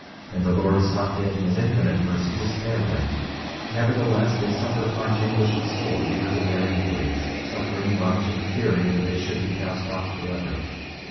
And the Lord saw fit in his infinite mercy to spare them; nevertheless they suffered much anguish of soul because of their iniquities, suffering much and fearing that they should be cast off forever.